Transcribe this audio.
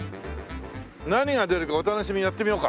「何が出るかはお楽しみ」やってみようか。